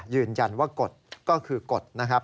ยืนยันว่ากฎก็คือกฎนะครับ